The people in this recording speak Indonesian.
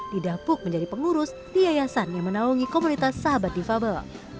didapuk menjadi pengurus diayasan yang menolongi komunitas sahabat divabel